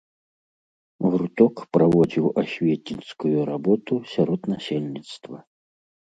Гурток праводзіў асветніцкую работу сярод насельніцтва.